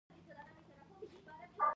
د کثافاتو په خپل وخت ایستل کیږي؟